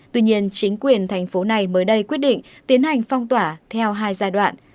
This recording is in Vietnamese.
tuy nhiên chính quyền thành phố này mới đây quyết định tiến hành phong tỏa theo hai giai đoạn